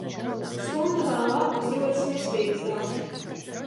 Stundu vēlāk uzrodas mirstības dati.